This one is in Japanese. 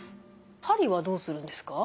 針はどうするんですか？